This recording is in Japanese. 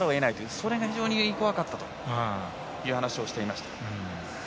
それが非常に怖かったと話していました。